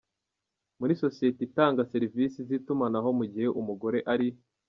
muri sosiyete itanga serivisi z’itumanaho mu gihe umugore ari